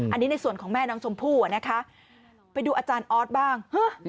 อันนี้ในส่วนของแม่น้องชมพู่นะคะไปดูอาจารย์ออสบ้าง